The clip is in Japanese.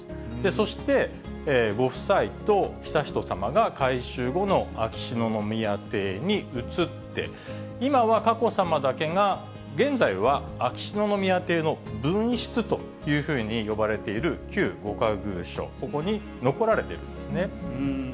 そして、ご夫妻と悠仁さまが改修後の秋篠宮邸に移って、今は佳子さまだけが現在は秋篠宮邸の分室というふうに呼ばれている旧御仮寓所、ここに残られているんですね。